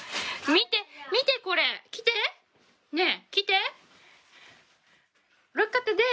見て、見てこれ。来て！ねぇ、来て。